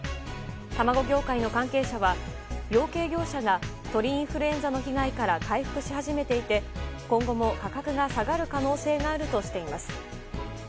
卵業界の関係者は、養鶏業者が鳥インフルエンザの被害から回復し始めていて今後も価格が下がる可能性があるとしています。